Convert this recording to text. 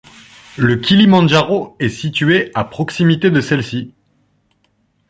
Le Kilimandjaro est situé à proximité de celle-ci.